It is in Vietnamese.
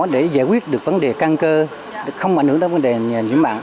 để giải quyết được vấn đề căn cơ không ảnh hưởng tới vấn đề nhiễm mặn